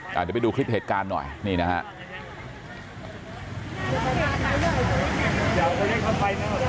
เดี๋ยวไปดูคลิปเหตุการณ์หน่อยนี่นะฮะ